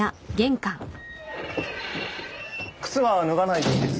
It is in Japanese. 靴は脱がないでいいです。